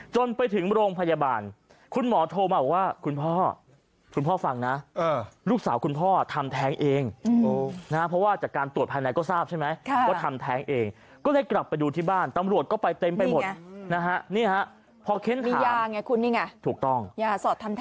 จนไปถึงโรงพยาบาลคุณหมอโทรมาว่าคุณพ่อคุณพ่อฟังนะลูกสาวคุณพ่อทำแท้งเองนะเพราะว่าจากการตรวจภายในก็ทราบใช่ไหมก็ทำแท้งเองก็ได้กลับไปดูที่บ้านตำรวจก็ไปเต็มไปหมด